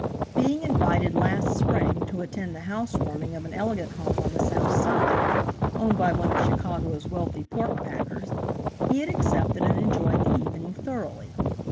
Being invited last spring to attend the house warming of an elegant home on the South Side, owned by one of Chicago's wealthy pork packers, he had accepted and enjoyed the evening thoroughly.